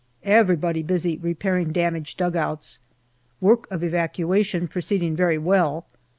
Everybody busy repairing damaged dugouts. Work of evacuation proceeding very well.